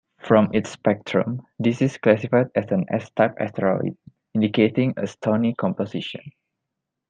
From its spectrum this is classified as an S-type asteroid, indicating a stony composition.